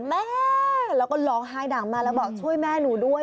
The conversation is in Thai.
แม่แล้วก็ร้องไห้ดังมาแล้วบอกช่วยแม่หนูด้วย